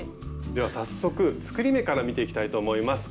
では早速作り目から見ていきたいと思います。